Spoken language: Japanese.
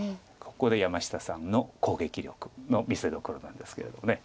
ここで山下さんの攻撃力の見せどころなんですけれども。